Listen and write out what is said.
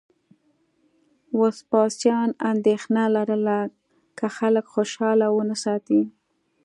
وسپاسیان اندېښنه لرله که خلک خوشاله ونه ساتي